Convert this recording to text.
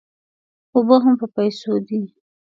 اوبه هم په پیسو دي.